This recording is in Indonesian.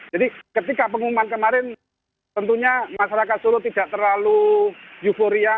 jadi ketika pengumuman kemarin tentunya masyarakat solo tidak terlalu euforia